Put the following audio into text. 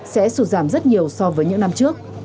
sẽ sụt giảm rất nhiều so với những năm trước